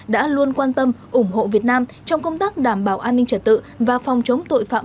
đã luôn quan tâm ủng hộ việt nam trong công tác đảm bảo an ninh trật tự và phòng chống tội phạm